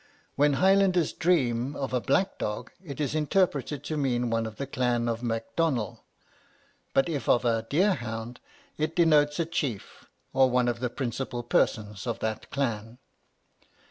"When the Highlanders dream of a black dog, it is interpreted to mean one of the clan of Macdonell; but if of a deer hound, it denotes a chief, or one of the principal persons of that clan."